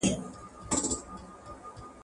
چي تا خر بولي پخپله بې عقلان دي!